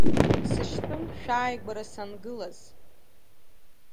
Сышьтәын шәааигәара сангылаз!